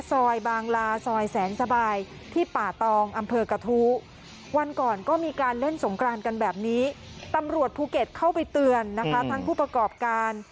ซอยบางลาซอยแสนสบายที่ป่าตองอำเภอกระทู้วันก่อนก็มีการเล่นสงกรานกันแบบนี้ตำรวจภูเก็ตเข้าไปเตือนนะคะทั้งผู้ประกอบการ